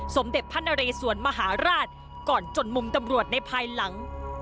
สมเด็จพระนเรสวนมหาราชก่อนจนมุมตำรวจในภายหลัง